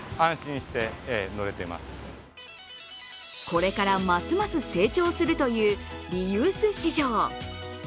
これからますます成長するというリユース市場。